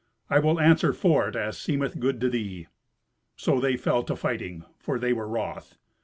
I will answer for it as seemeth good to thee." So they fell to fighting, for they were wroth.